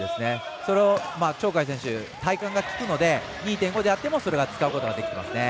それを鳥海選手、体幹がきくのでいい抵抗であってもそれを使うことができています。